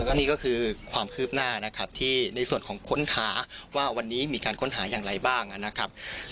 ก็นี่ก็คือความคืบหน้านะครับที่ในส่วนของค้นหาว่าวันนี้มีการค้นหาอย่างไรบ้างนะครับ